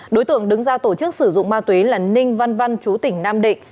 đối tượng đứng ra tổ chức sử dụng ma túy là ninh văn văn chú tỉnh nam định